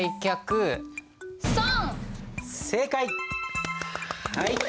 正解！